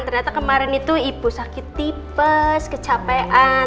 ternyata kemarin itu ibu sakit tipes kecapean